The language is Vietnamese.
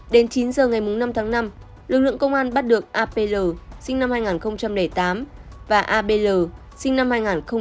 đến chín giờ ngày năm tháng năm lực lượng công an bắt được a p l sinh năm hai nghìn tám và a p l sinh năm hai nghìn một mươi